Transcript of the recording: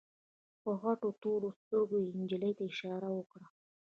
په غټو تورو سترګو يې نجلۍ ته اشاره وکړه.